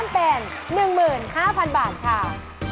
เพิ่มเป็น๑๕๐๐๐บาทค่ะ